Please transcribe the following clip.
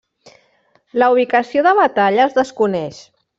La ubicació de batalla es desconeix.